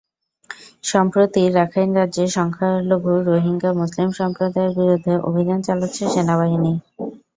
সম্প্রতি রাখাইন রাজ্যে সংখ্যালঘু রোহিঙ্গা মুসলিম সম্প্রদায়ের বিরুদ্ধে অভিযান চালাচ্ছে সেনাবাহিনী।